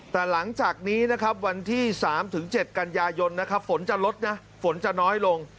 แต่หลังจากนี้นะครับวันที่๓๗กันยายนนะครับฝนจะลดนะฝนจะน้อยลง